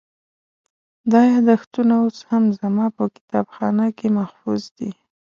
دا یادښتونه اوس هم زما په کتابخانه کې محفوظ دي.